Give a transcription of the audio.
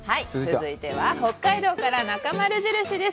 続いては北海道からなかまる印です。